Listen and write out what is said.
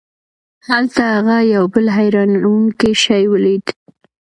هلته هغه یو بل حیرانوونکی شی ولید.